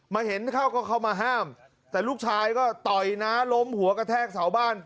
เห็นเข้าก็เข้ามาห้ามแต่ลูกชายก็ต่อยน้าล้มหัวกระแทกเสาบ้าน